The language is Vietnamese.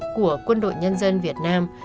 của quân đội nhân dân việt nam